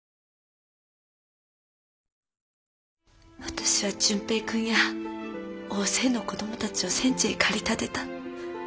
私は純平君や大勢の子どもたちを戦地へ駆り立てた。